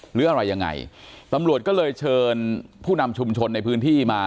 หรืออะไรยังไงตำรวจก็เลยเชิญผู้นำชุมชนในพื้นที่มา